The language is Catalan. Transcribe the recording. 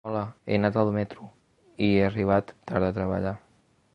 Hola, he anat al metro hi he arribat tard a treballar.